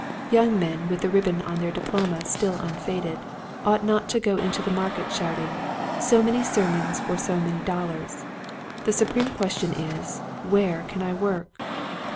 Young men with the ribbon on their diploma still unfaded ought not to go into the market shouting — "So many sermons for so many dollars !" The supreme question is, " Where can I work